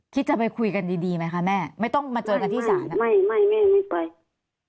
คิดจะไปคุยกันดีดีไหมคะแม่ไม่ต้องมาเจอกันที่ศาลไม่ไม่แม่ไม่ไป